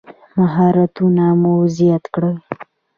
مهارتونه مو زیات کړئ